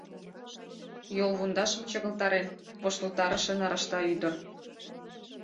Йолвундашым чыгылтарен воштылтарыше нарашта ӱдыр.